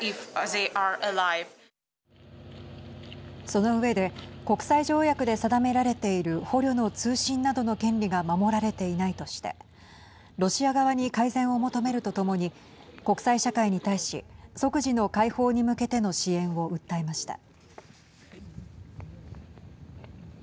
その上で国際条約で定められている捕虜の通信などの権利が守られていないとしてロシア側に改善を求めるとともに国際社会に対し即時の解放に向けての支援を訴えました。